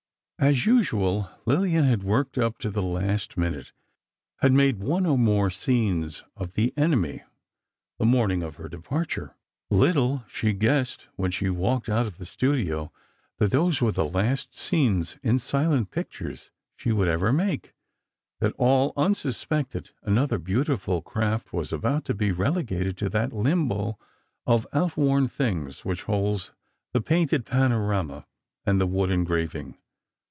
As usual, Lillian had worked up to the last minute, had made one or more scenes of "The Enemy" the morning of her departure. Little she guessed, when she walked out of the studio, that those were the last scenes in silent pictures she would ever make, that all unsuspected, another beautiful craft was about to be relegated to that limbo of outworn things which holds the painted panorama and the wood engraving.